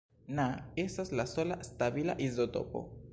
Na estas la sola stabila izotopo.